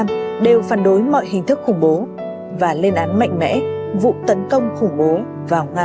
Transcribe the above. tất cả người dân việt nam đều phản đối mọi hình thức khủng bố và lên án mạnh mẽ vụ tấn công khủng bố vào nga